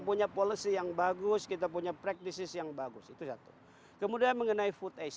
punya policy yang bagus kita punya practices yang bagus itu kemudian mengenai